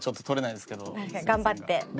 頑張って。